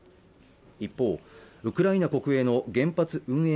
一方ウクライナ国営の原発運営